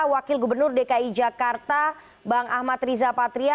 wakil gubernur dki jakarta bang ahmad riza patria